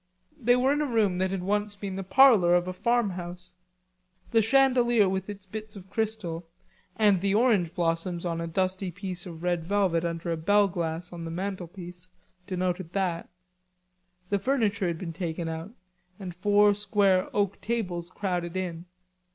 They were in a room that had once been the parlor of a farmhouse. The chandelier with its bits of crystal and the orange blossoms on a piece of dusty red velvet under a bell glass on the mantelpiece denoted that. The furniture had been taken out, and four square oak tables crowded in.